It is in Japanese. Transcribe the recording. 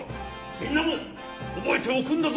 みんなもおぼえておくんだぞ！